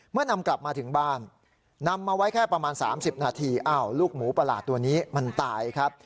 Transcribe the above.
นำกลับมาถึงบ้านนำมาไว้แค่ประมาณ๓๐นาทีอ้าวลูกหมูประหลาดตัวนี้มันตายครับ